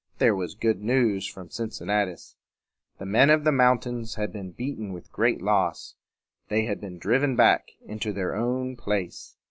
There was good news from Cincinnatus. The men of the mountains had been beaten with great loss. They had been driven back into their own place.